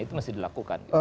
itu mesti dilakukan